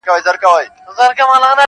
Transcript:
مسیحا چي مي اکسیر جو کړ ته نه وې-